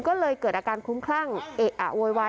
ก็เลยเกิดอาการคุ้มคลั่งเอะอะโวยวาย